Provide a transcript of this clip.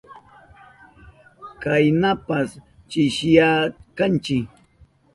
Kaynapas chishiyashkanchi.